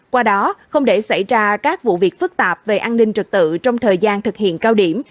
qua đó không để xảy ra các vụ việc phức tạp về an ninh trật tự trong thời gian thực hiện cao điểm